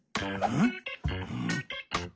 ん。